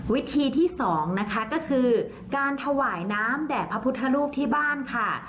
วิธีที่๒นะคะก็คือการถวายน้ำแด่พระพุทธรูปที่บ้านค่ะ